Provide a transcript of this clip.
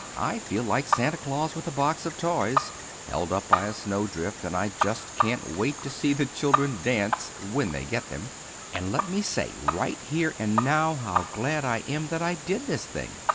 I feel like Santa Claus with a box of toys, held up by a snowdrift, and I just can't wait to see the children dance—when they get them. And let me say right here and now how glad I am that I did this thing.